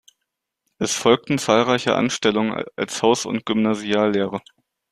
Es folgten zahlreiche Anstellungen als Haus- und Gymnasiallehrer.